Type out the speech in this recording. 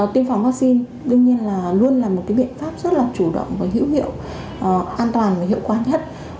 tiêm phòng vaccine đương nhiên là luôn là một cái biện pháp rất là chủ động và hữu hiệu an toàn và hiệu quả nhất